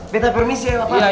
beta permisi ya bapak